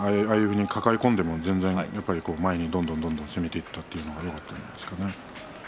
抱え込んでも前にどんどん攻めていったのがよかったんじゃないですかね。